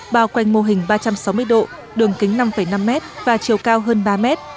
bao quanh mô hình ba trăm sáu mươi độ đường kính năm năm m và chiều cao hơn ba mét